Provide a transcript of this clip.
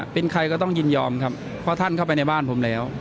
เป็นใครก็ต้องยินยอมครับเพราะท่านเข้าไปในบ้านผมแล้ว